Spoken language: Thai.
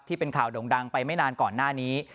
ที่เป็นข่าวโด่งดังไปไม่นานก่อนหน้านี้